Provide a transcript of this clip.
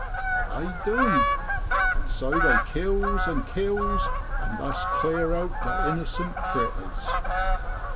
But they doan't, and so they kills an' kills, and thus cleer out the innercent critters.